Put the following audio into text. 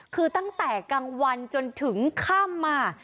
คือตั้งแต่กลางวันจนถึงค่ำ